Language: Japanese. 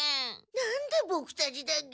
なんでボクたちだけ？